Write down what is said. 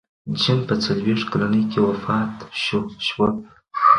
جین په څلوېښت کلنۍ کې وفات شوه.